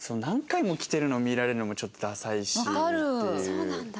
そうなんだ。